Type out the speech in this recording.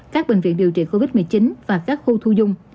các bệnh viện điều trị covid một mươi chín và các khu thu dung